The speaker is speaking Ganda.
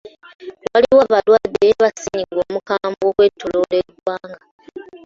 Waliwo abalwadde ba ssennyiga omukambwe okwetooloola eggwanga.